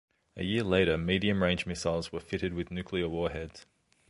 A year later, medium range missiles were fitted with nuclear warheads.